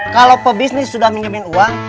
kalau pebisnis sudah minjemin uang